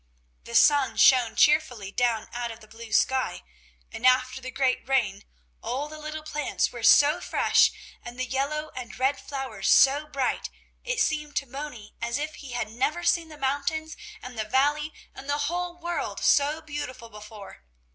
The sun shone cheerfully down out of the blue sky, and after the great rain, all the little plants were so fresh, and the yellow and red flowers so bright, it seemed to Moni as if he had never seen the mountains and the valley and the whole world so beautiful before.